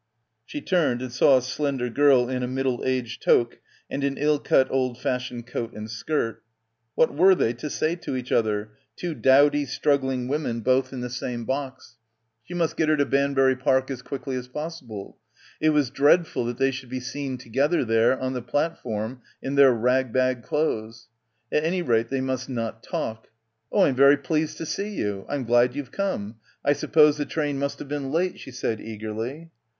She turned and saw a slender girl in a middle aged toque and an ill cut old fashioned coat and skirt. What were they to say to each other, two dowdy struggling women both in the same — 159 — PILGRIMAGE . box? She must get her to Banbury Park as quickly as possible. It was dreadful that they should be seen together there on the platform in their rag bag clothes. At any rate they must not talk. "Oh, I'm very pleased to see you. Fm glad you've come. I suppose the train must have been late," she said eagerly.